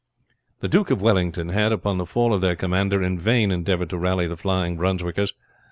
The Duke of Wellington had, upon the fall of their commander, in vain endeavored to rally the flying Brunswickers.